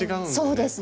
そうですね。